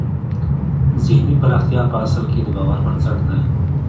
ذهني پراختیا په اصل کې د باور بنسټ دی